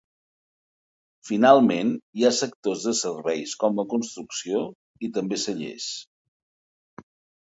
Finalment, hi ha sectors de serveis com la construcció i també cellers.